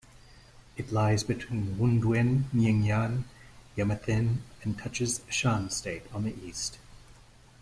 It lies between Wundwin, Myingyan, Yamethin, and touches Shan State on the east.